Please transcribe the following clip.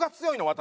私。